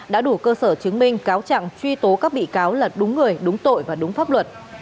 đã đủ cơ sở chứng minh cáo trạng truy tố các bị cáo là đúng người đúng tội và đúng pháp luật